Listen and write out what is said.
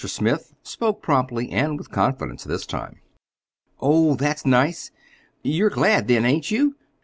Smith spoke promptly, and with confidence this time. "Oh, that's nice. You're glad, then, ain't you?